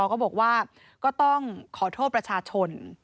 ก็บอกว่าก็ต้องขอโทษประชาชน